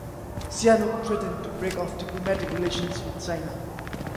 Sihanouk threatened to break off diplomatic relations with China.